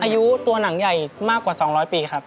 อายุตัวหนังใหญ่มากกว่า๒๐๐ปีครับ